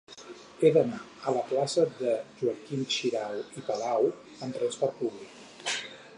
He d'anar a la plaça de Joaquim Xirau i Palau amb trasport públic.